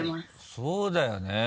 そうだよね。